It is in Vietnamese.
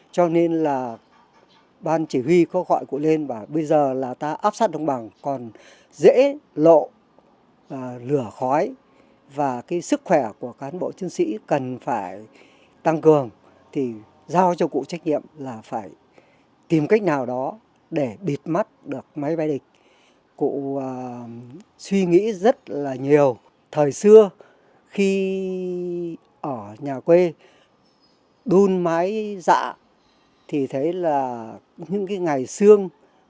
cho thương bình tại các chiến trường lớn